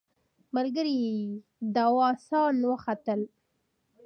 ملګري داووسان وختل.